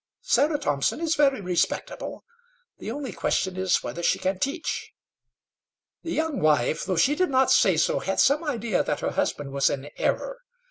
Sarah Thompson is very respectable; the only question is whether she can teach." The young wife, though she did not say so, had some idea that her husband was in error.